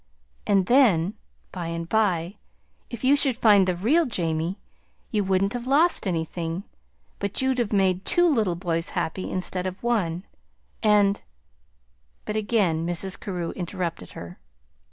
And then, by and by, if you should find the real Jamie, you wouldn't have lost anything, but you'd have made two little boys happy instead of one; and " But again Mrs. Carew interrupted her.